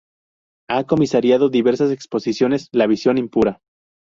Ha comisariado diversas exposiciones: "La visión impura.